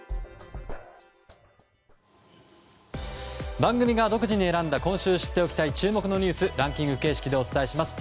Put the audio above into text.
番組が独自に選んだ今週知っておきたい注目のニュースをランキング形式でお伝えします。